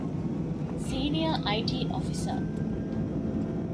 ސީނިއަރ އައި.ޓީ އޮފިސަރ